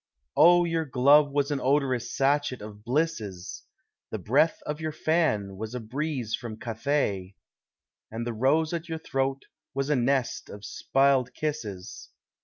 O your glove was an odorous sachet of blisses! The breath of your fan was a breeze from Cathay! And the rose at your throat was a nest of spi'led kisses!